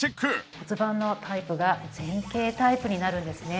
骨盤のタイプが前傾タイプになるんですね。